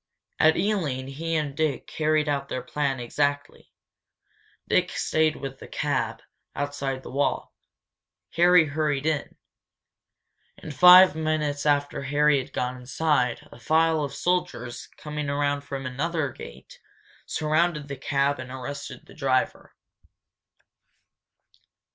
At Ealing he and Dick carried out their plan exactly. Dick stayed with the cab, outside the wall; Harry hurried in. And five minutes after Harry had gone inside a file of soldiers, coming around from another gate, surrounded the cab and arrested the driver.